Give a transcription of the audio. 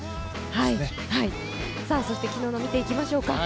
そして昨日を見ていきましょうか。